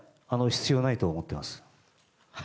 必要ないと思っています。